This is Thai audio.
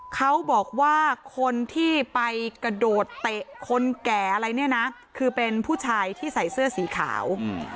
เขาบอกว่าคนที่ไปกระโดดเตะคนแก่อะไรเนี่ยนะคือเป็นผู้ชายที่ใส่เสื้อสีขาว